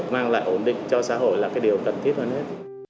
mang lại ổn định cho xã hội là cái điều cần thiết hơn hết